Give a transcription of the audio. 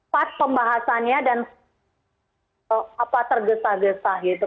pas pembahasannya dan tergesa gesa gitu